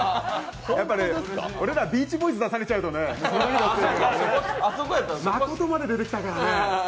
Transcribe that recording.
俺らビーチボーイズ出されちゃうとねマコトまで出てきたからね。